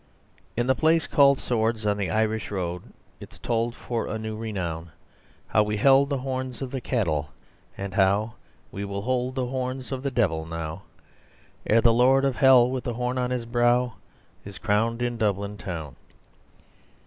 In the place called Swords on the Irish road It is told for a new renown How we held the horns of the cattle, and how We will hold the horns of the devils now Ere the lord of hell with the horn on his brow Is crowned in Dublin town.